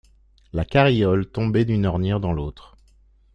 La carriole tombait d'une ornière dans l'autre.